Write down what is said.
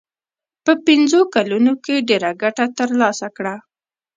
په پنځو کلونو کې ډېره ګټه ترلاسه کړه.